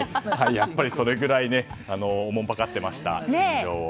やっぱりそれぐらいおもんぱかってました、心情を。